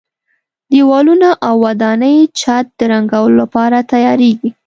دېوالونه او د ودانۍ چت د رنګولو لپاره تیاریږي.